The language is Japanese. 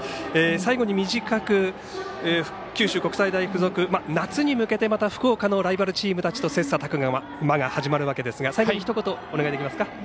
最後に短く九州国際大付属夏に向けて、また福岡のライバルチームとの切磋琢磨が始まるわけですが最後にひと言、お願いできますか。